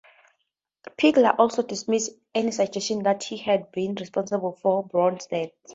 Pegler also dismissed any suggestion that he had been responsible for Broun's death.